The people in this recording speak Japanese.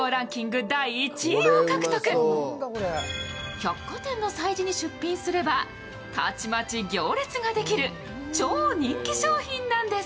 百貨店の催事に出品すればたちまち行列ができる超人気商品なんです。